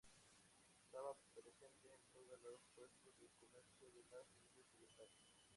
Estaban presentes en todos los puestos de comercio de las Indias Orientales.